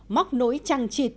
móc nối trăng trịt